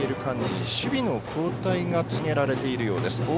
守備の交代が告げられているようです。